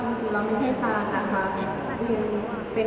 ที่มีความรู้สึกกว่าที่มีความรู้สึกกว่า